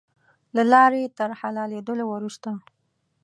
له لارې تر حلالېدلو وروسته.